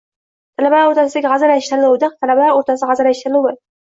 Talabalar o‘rtasida g‘azal aytish tanlovitalabalar o‘rtasida g‘azal aytish tanlovi